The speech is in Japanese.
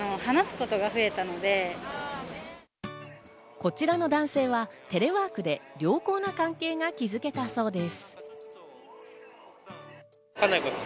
こちらの男性はテレワークで良好な関係が築けたそうです。